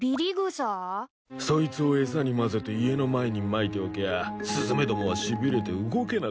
そいつを餌にまぜて家の前にまいておきゃスズメどもはしびれて動けなくなんだろう。